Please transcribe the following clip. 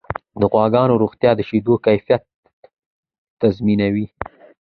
د غواګانو روغتیا د شیدو کیفیت تضمینوي.